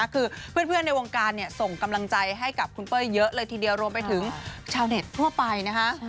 คือเพื่อนในวงการส่งกำลังใจให้กับคุณเป้ยเยอะเลยทีเดียวรวมไปถึงชาวเน็ตทั่วไปนะคะ